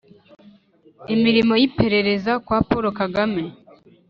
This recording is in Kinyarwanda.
imirimo y'iperereza kwa paul kagame.